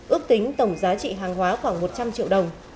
ước tính tổng giá trị hàng hóa khoảng một trăm linh triệu đồng